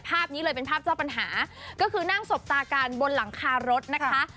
ภาพนี้เลยเป็นภาพเจ้าปัญหาก็คือนั่งสบตากันบนหลังคารถนะคะ